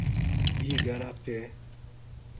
Igarapé